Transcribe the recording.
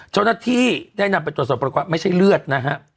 เจ้าหน้าที่ได้นำไปตรวจสอบปรากฏว่าไม่ใช่เลือดนะฮะ